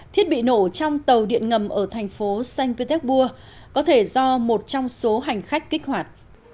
thiết bị nổ trong tàu điện ngầm ở thành phố saint petersburg có thể do một trong số hành khách kích hoạt